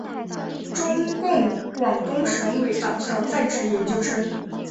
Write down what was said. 中共广东省委党校在职研究生。